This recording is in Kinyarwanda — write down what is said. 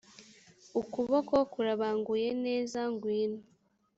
ukuboko kurabanguye neza ngwino